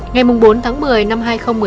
ngày bốn tháng một mươi năm hai nghìn một mươi tám